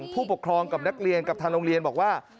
ผู้ปกครองกับนักเรียนกับทางโรงเรียนบอกว่า